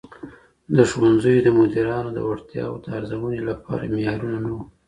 د ښوونځیو د مدیرانو د وړتیاوو د ارزونې لپاره معیارونه نه وو.